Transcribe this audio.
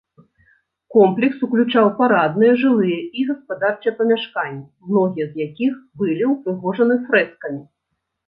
Комплекс уключаў парадныя, жылыя і гаспадарчыя памяшканні, многія з якіх былі ўпрыгожаны фрэскамі.